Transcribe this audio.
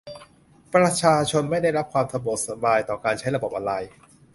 ประชาชนไม่ได้รับความสะดวกสบายต่อการใช้ระบบออนไลน์